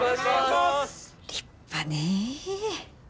立派ねえ。